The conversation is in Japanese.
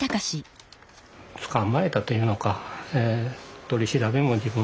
捕まえたというのか取り調べも自分がやったと。